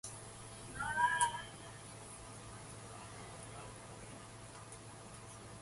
The winner is the one closest to the average.